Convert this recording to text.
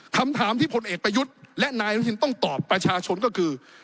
คำถามที่พลเอกประยุทธ์และนายอนุทินต้องตอบประชาชนก็คือ